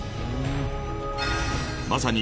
まさに